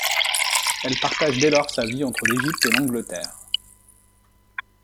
Elle partage dès lors sa vie entre l’Égypte et l'Angleterre.